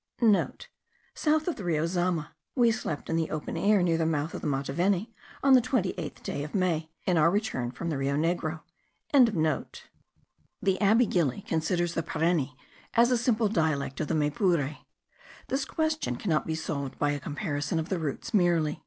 *(* South of the Rio Zama. We slept in the open air near the mouth of the Mataveni on the 28th day of May, in our return from the Rio Negro.) The Abbe Gili considers the Pareni as a simple dialect of the Maypure. This question cannot be solved by a comparison of the roots merely.